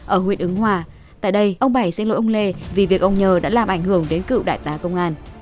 ở huyện ứng hòa tại đây ông bảy sẽ lỗi ông lê vì việc ông nhờ đã làm ảnh hưởng đến cựu đại tá công an